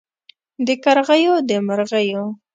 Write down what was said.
د کرغیو د مرغیو